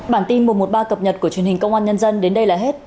bản tin mùa một ba cập nhật của truyền hình công an nhân dân đến đây là hết